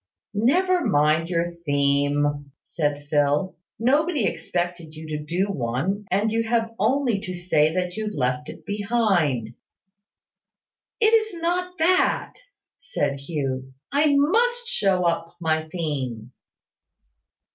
"Never mind your theme!" said Phil. "Nobody expected you to do one; and you have only to say that you left it behind you." "It is not that," said Hugh. "I must show up my theme."